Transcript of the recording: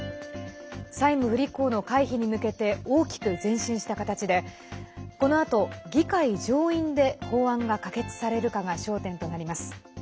債務不履行の回避に向けて大きく前進した形でこのあと議会上院で法案が可決されるかが焦点となります。